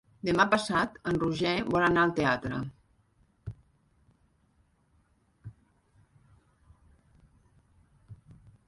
Demà passat en Roger vol anar al teatre.